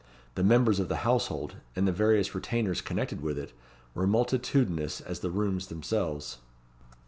The members of the household, and the various retainers connected with it, were multitudinous as the rooms themselves.